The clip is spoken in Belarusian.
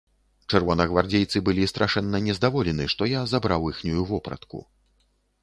Чырвонагвардзейцы былі страшэнна нездаволены, што я забраў іхнюю вопратку.